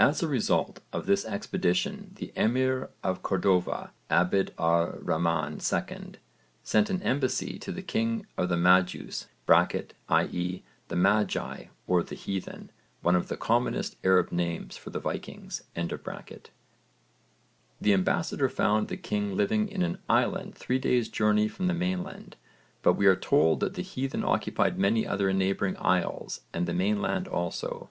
As a result of this expedition the Emir of Cordova, Abd ar Rahman II sent an embassy to the king of the Madjus (i.e. the magi or the heathen, one of the commonest Arab names for the Vikings). The ambassador found the king living in an island three days' journey from the mainland, but we are told that the heathen occupied many other neighbouring isles and the mainland also.